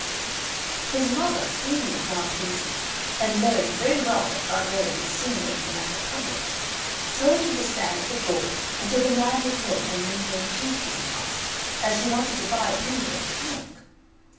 His mother, seeing the crown pieces, and knowing very well that Vardiello would soon make the matter public, told him to stand at the door until the man with milk and new made cheese came past, as she wanted to buy a pennyworth of milk.